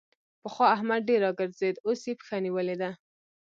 پخوا احمد ډېر راګرځېد؛ اوس يې پښه نيولې ده.